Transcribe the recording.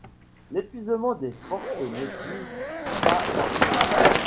L’épuisement des forces n’épuise pas la volonté.